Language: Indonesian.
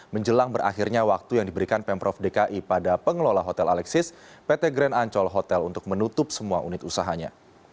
menjelang berakhirnya waktu yang diberikan pemprov dki pada pengelola hotel alexis pt grand ancol hotel untuk menutup semua unit usahanya